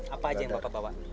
apa aja yang bapak bawa